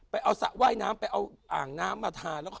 ไปเอาสระไหว้น้ำไปเอาอ่างน้ำมาทาน